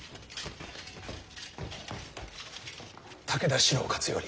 武田四郎勝頼